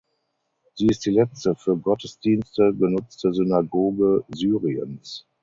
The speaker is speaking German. Sie ist die letzte für Gottesdienste genutzte Synagoge Syriens.